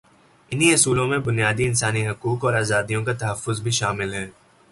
انہی اصولوں میں بنیادی انسانی حقوق اور آزادیوں کا تحفظ بھی شامل ہے۔